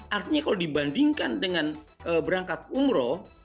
artinya kalau dibandingkan dengan berangkat umroh